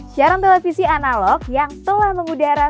siaran televisi analog yang telah mengudara